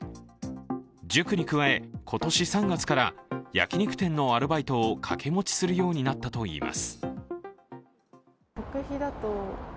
塾に加え、今年３月から焼き肉店のアルバイトを掛け持ちするようになったといいます。